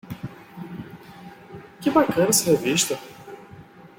Que bacana essa revista.